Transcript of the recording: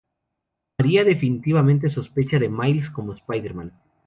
María definitivamente sospecha de Miles como Spider-Man.